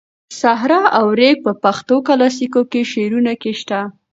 صحرا او ریګ په پښتو کلاسیکو شعرونو کې شته.